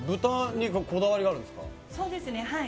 そうですねはい。